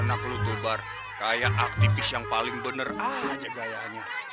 anak lo tuh bar kayak aktivis yang paling bener aja gayanya